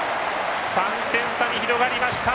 ３点差に広がりました。